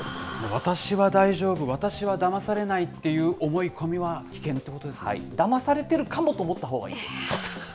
私は大丈夫、私はだまされないという思い込みは危険というこだまされてるかもと思ったほうがいいです。